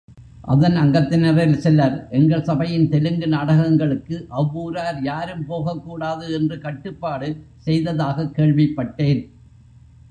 அதன் அங்கத்தினரில் சிலர், எங்கள் சபையின் தெலுங்கு நாடகங்களுக்கு அவ்வூரார் யாரும் போகக்கூடாது என்று கட்டுப்பாடு செய்ததாகக் கேள்விப்பட்டேன்.